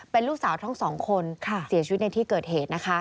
เป็นลูกสาวทั้งสองคนเสียชีวิตในที่เกิดเหตุนะคะ